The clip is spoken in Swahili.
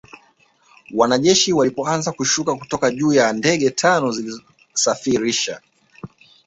wanajeshi walipoanza kushuka kutoka juu Ndege tano zilisafirisha